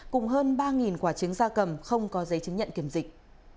cùng hơn ba quả chứng ra cầm không có giấy chứng nhận kiểm dịch